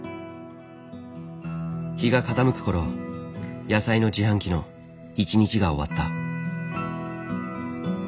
日が傾く頃野菜の自販機の一日が終わった。